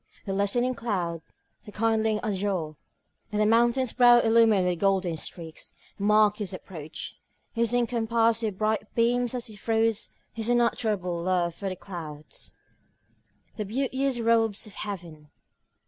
The lessening cloud, the kindling azure, and the mountain's brow illumined with golden streaks, mark his approach; he is encompassed with bright beams, as he throws his unutterable love upon the clouds, "the beauteous robes of heaven."